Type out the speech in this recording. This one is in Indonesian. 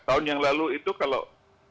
tahun yang lalu itu kalau